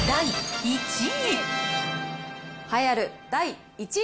第１位。